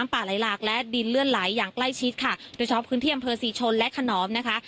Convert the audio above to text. เผอร์สีชนและคนนอมนะคะ